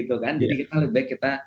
jadi kita lebih baik kita